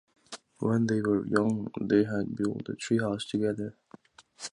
When they were young they had built a treehouse together.